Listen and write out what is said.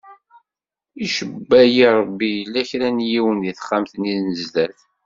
Icebba-yi Ṛebbi yella kra n yiwen di texxamt-nni n zdat.